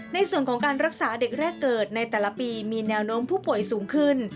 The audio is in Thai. ในส่วนของการรักษาเด็กแรกเกิดในแต่ละปีมีแนวโน้มผู้ป่วยสูงขึ้น